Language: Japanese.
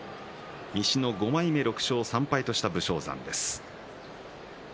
西の５枚目、６勝３敗目の武将山です。